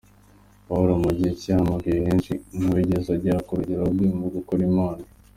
Pawuro: Mu gihe cye hahamagawe benshi ariko ntawigeze agera kurugero rwe mu gukorera Imana.